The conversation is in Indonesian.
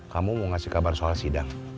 kamu mau ngasih kabar soal sidang